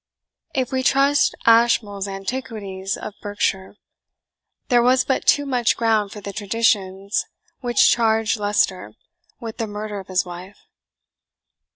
If we can trust Ashmole's Antiquities of Berkshire, there was but too much ground for the traditions which charge Leicester with the murder of his wife.